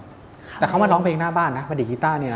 แต่เขามาดำหนังเพลงหน้าบ้านนะพาดิกีต้าร์เนี่ยนะ